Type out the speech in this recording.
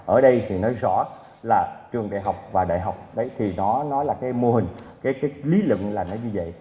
ở đây thì nói rõ là trường đại học và đại học đấy thì nó nói là cái mô hình cái lý lựng là nó như vậy